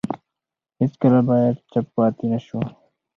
هیڅکله باید چوپ پاتې نه شو.